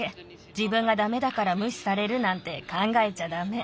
じぶんがダメだからむしされるなんてかんがえちゃダメ。